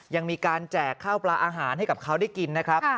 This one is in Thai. ยังมีการแจกข้าวปลาอาหารให้กับเขาได้กินนะครับ